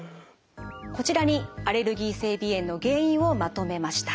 こちらにアレルギー性鼻炎の原因をまとめました。